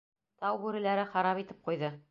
Тау бүреләре харап итеп ҡуйҙы...